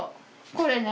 これね。